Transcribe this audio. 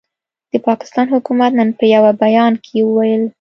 د پاکستان حکومت نن په یوه بیان کې وویل،